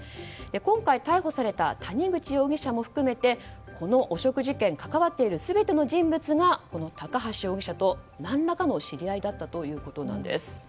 今回、逮捕された谷口容疑者も含めてこの汚職事件に関わっている全ての人物がこの高橋容疑者と何らかの知り合いだったということなんです。